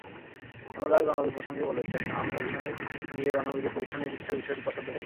অনুরাগ রণবীর প্রসঙ্গে বলেছেন, আমি অভিনয় নিয়ে রণবীরের পরীক্ষা-নিরীক্ষার বিষয়টি পছন্দ করি।